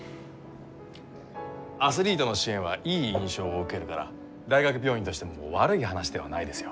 アスリートの支援はいい印象を受けるから大学病院としても悪い話ではないですよ。